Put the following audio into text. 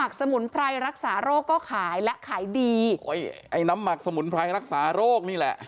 สมุนไพรรักษาโรคก็ขายและขายดีโอ้ยไอ้น้ำหมักสมุนไพรรักษาโรคนี่แหละ